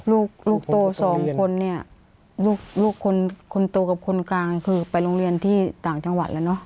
ลูกลูกโตสองคนเนี่ยลูกคนโตกับคนกลางคือไปโรงเรียนที่ต่างจังหวัดแล้วเนอะ